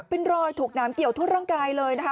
เป็นรอยถูกน้ำเกี่ยวทั่วร่างกายเลยนะคะ